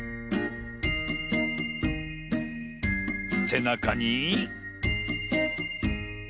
せなかに。